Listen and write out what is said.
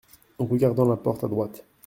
Regardant la porte à droite.